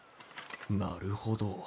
なるほど。